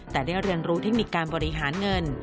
แต่ได้เรียนรู้เทคนิคการบริหารเงิน